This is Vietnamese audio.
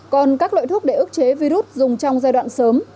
còn các loại thuốc để ức chế virus dùng trong giai đoạn sớm